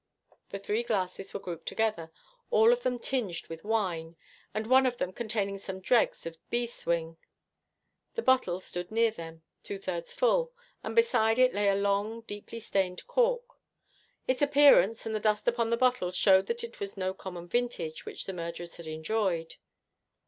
The three glasses were grouped together, all of them tinged with wine, and one of them containing some dregs of beeswing. The bottle stood near them, two thirds full, and beside it lay a long, deeply stained cork. Its appearance and the dust upon the bottle showed that it was no common vintage which the murderers had enjoyed.